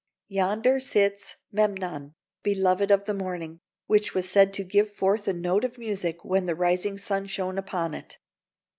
Yonder sits Memnon, "beloved of the morning," which was said to give forth a note of music when the rising sun shone upon it.